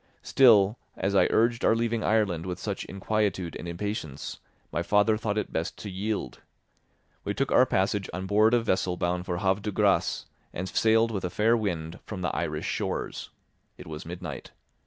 Still, as I urged our leaving Ireland with such inquietude and impatience, my father thought it best to yield. We took our passage on board a vessel bound for Havre de Grace and sailed with a fair wind from the Irish shores. It was midnight.